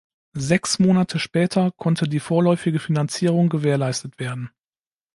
Sechs Monate später konnte die vorläufige Finanzierung gewährleistet werden.